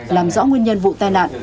làm rõ nguyên nhân vụ tai nạn